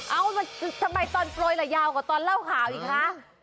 ทำไมตอนโปรยล่ะยาวกว่าตอนเล่าข่าวอีกคะ